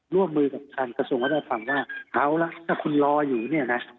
ร่วมมือกับทางกระทรวงวัฒนธรรมว่าเอาละถ้าคุณรออยู่เนี่ยนะ